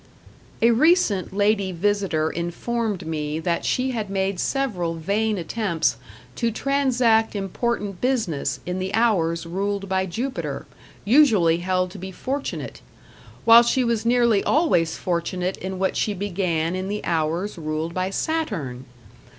A recent lady visitor informed me that she had made several vain attempts to transact important business in the hours ruled by Jupiter, usually held to be fortunate, while she was nearly always fortunate in what she began in the hours ruled by Saturn.